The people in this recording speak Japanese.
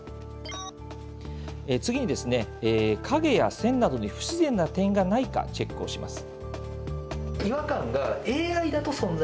次に、影や線などに不自然な点がないかチェックをします。